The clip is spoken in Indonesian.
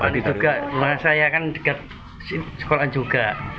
diduga saya kan dekat sekolah juga